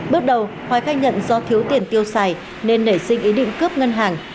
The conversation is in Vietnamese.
bước đầu hoài khách nhận do thiếu tiền tiêu xài nên nể sinh ý định cướp ngân hàng